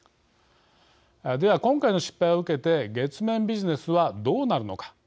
では今回の失敗を受けて月面ビジネスはどうなるのか。